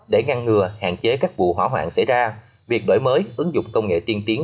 để ngăn ngừa hạn chế các vụ hỏa hoạn xảy ra việc đổi mới ứng dụng công nghệ tiên tiến